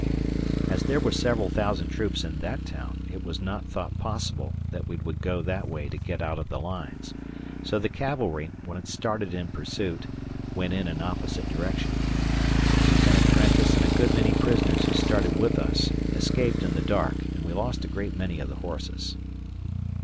As there were several thousand troops in that town, it was not thought possible that we would go that way to get out of the lines, so the cavalry, when it started in pursuit, went in an opposite direction. Lieutenant Prentiss and a good many prisoners who started with us escaped in the dark, and we lost a great many of the horses.